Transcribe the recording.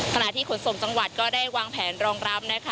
ขณะที่ขนส่งจังหวัดก็ได้วางแผนรองรับนะคะ